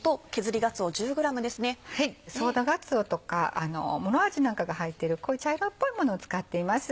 宗田がつおとかムロアジなんかが入ってるこういう茶色っぽいものを使っています。